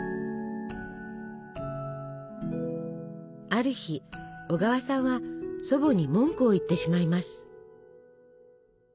ある日小川さんは祖母に文句を言ってしまいます。